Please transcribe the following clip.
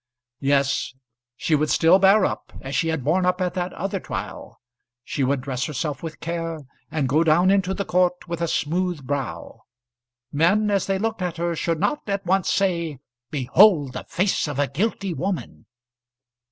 Yes; she would still bear up, as she had borne up at that other trial. She would dress herself with care, and go down into the court with a smooth brow. Men, as they looked at her, should not at once say, "Behold the face of a guilty woman!"